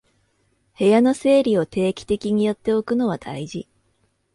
部屋の整理を定期的にやっておくのは大事